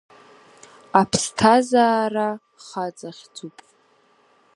Аԥсҭазаара хаҵахьӡуп.